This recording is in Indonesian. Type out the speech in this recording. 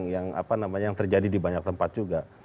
yang apa namanya yang terjadi di banyak tempat juga